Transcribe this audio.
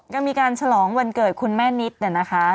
ก็มีการฉลองวันเกิดคุณแม่นิดนะคะ